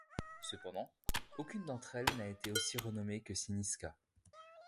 Cependant, aucune d'entre elles, n'a été aussi renommée que Cynisca.